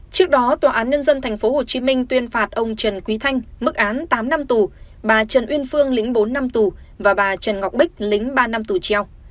trước đó tòa án nhân dân tp hcm tuyên phạt ông trần quý thanh mức án tám năm tù bà trần uyên phương lĩnh bốn năm tù và bà trần ngọc bích lĩnh ba năm tù treo